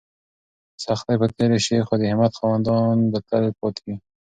سختۍ به تېرې شي خو د همت خاوندان به تل پاتې وي.